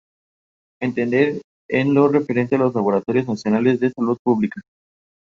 Shrek es un ogro verde y solitario que tiene su hogar en un pantano.